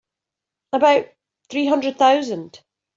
About three hundred thousand.